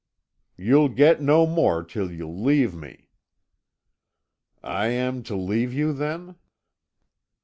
"You'll get no more till you leave me." "I am to leave you, then?"